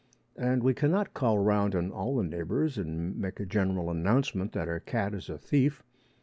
And we cannot call round on all the neighbours and make a general announcement that our cat is a thief.